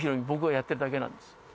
僕はやってるだけなんですよ。